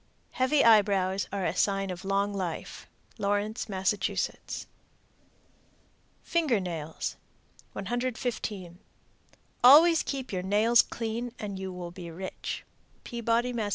Heavy eyebrows are a sign of long life. Lawrence, Mass. FINGER NAILS. 115. Always keep your nails clean and you will be rich. _Peabody, Mass.